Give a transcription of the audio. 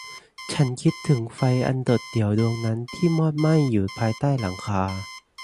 ฉันคิดถึงไฟอันโดดเดี่ยวดวงนั้นที่มอดไหม้อยู่ภายใต้หลังคา